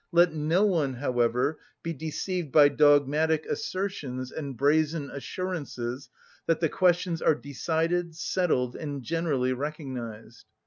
Let no one, however, be deceived by dogmatic assertions and brazen assurances that the questions are decided, settled, and generally recognised.